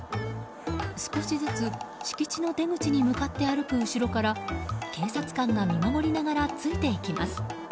少しずつ敷地の出口に向かって歩く後ろから警察官が見守りながらついていきます。